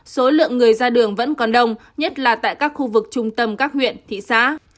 số lượng người ra đường vẫn còn đông nhất là tại các khu vực trung tâm các huyện thị xã